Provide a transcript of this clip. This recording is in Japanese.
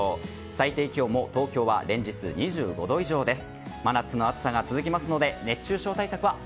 最低気温も東京は連日２５度以上です。